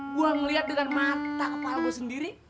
gue ngeliat dengan mata kepal gue sendiri